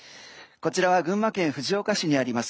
こちらは群馬県藤岡市にあります